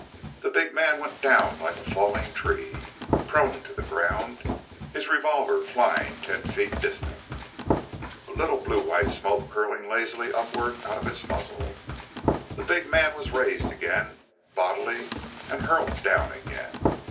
The big man went down like a falling tree prone to the ground, his revolver flying ten feet distant, a little blue white smoke curling lazily upward out of its muzzle. The big man was raised again bodily and hurled down again.